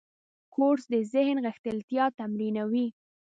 کورس د ذهن غښتلتیا تمرینوي.